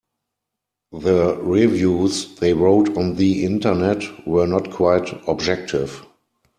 The reviews they wrote on the Internet were not quite objective.